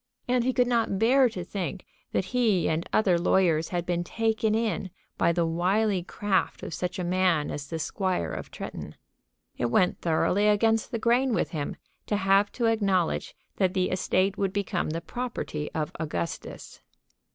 And he could not bear to think that he and other lawyers had been taken in by the wily craft of such a man as the Squire of Tretton. It went thoroughly against the grain with him to have to acknowledge that the estate would become the property of Augustus.